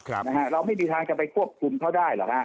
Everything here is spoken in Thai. เราไม่มีทางจะไปควบคุมเขาได้หรอกฮะ